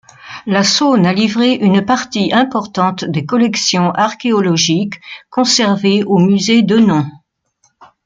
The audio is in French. La Saône a livré une partie importante des collections archéologiques conservées au musée Denon.